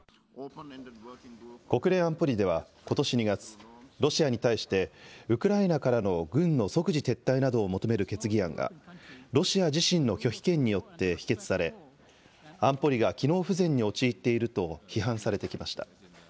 国連安保理ではことし２月、ロシアに対してウクライナからの軍の即時撤退などを求める決議案がロシア自身の拒否権によって否決され安保理が機能不全に陥っていると批判されてきました。